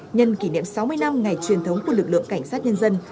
nhân kỷ niệm sáu mươi năm ngày truyền thống của lực lượng cảnh sát nhân dân